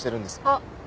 あっ！